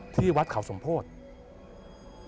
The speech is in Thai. ที่วัดเขาสมโพธิ